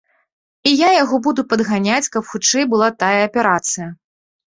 І я яго буду падганяць, каб хутчэй была тая аперацыя.